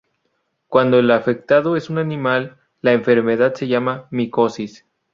Cuando el afectado es un animal, la enfermedad se llama micosis.